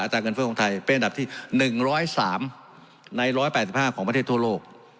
เงินเฟ้อของไทยเป็นอันดับที่๑๐๓ใน๑๘๕ของประเทศทั่วโลก